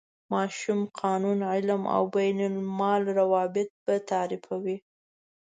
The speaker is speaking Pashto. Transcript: ماشوم، قانون، علم او بین الملل روابط به تعریفوي.